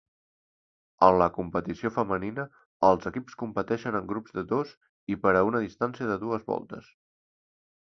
En la competició femenina, els equips competeixen en grups de dos i per a una distància de dues voltes.